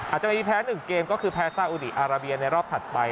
อาจจะมีแพ้๑เกมก็คือแพ้ซาอุดีอาราเบียในรอบถัดไป